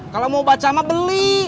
kalau mau baca sama beli